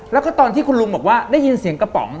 แล้วก็ตอนที่คุณลุงบอกว่าได้ยินเสียงกระป๋อง